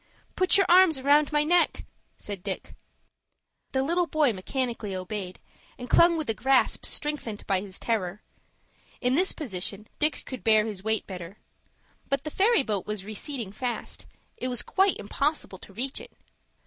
"Put your arms round my neck," said Dick. The little boy mechanically obeyed, and clung with a grasp strengthened by his terror. In this position Dick could bear his weight better. But the ferry boat was receding fast. It was quite impossible to reach it.